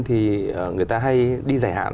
thì người ta hay đi giải hạn